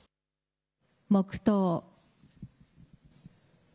黙とう。